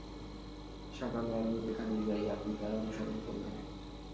সকালে আমি যেখানেই যাই আপনি তার অনুসরণ করবেন।